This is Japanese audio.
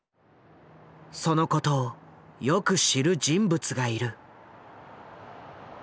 そのことをよく知る人物がいる。